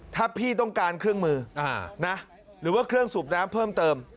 ถ้าพี่ต้องการเครื่องมือหรือว่าเครื่องสูบน้ำเพิ่มเติม